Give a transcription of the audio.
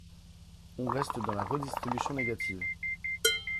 On reste dans la redistribution négative.